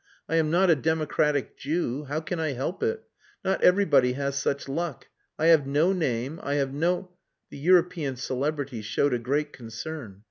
"I am not a democratic Jew. How can I help it? Not everybody has such luck. I have no name, I have no...." The European celebrity showed a great concern.